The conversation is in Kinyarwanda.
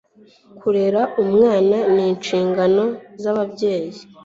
kurera umwana n'inshingano z'ababyayi